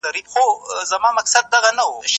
خورا ډير جوابونه لري.